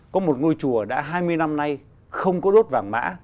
có một ngôi chùa đã hai mươi năm nay không có đốt vàng mã